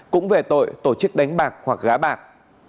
cũng về tội tổ chức đánh bạc hoặc gá bạc